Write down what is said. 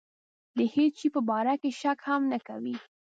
د هېڅ شي په باره کې شک هم نه کوي.